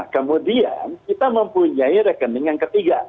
kemudian kita mempunyai rekening yang ketiga